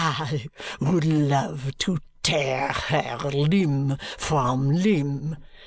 "I would love to tear her limb from limb."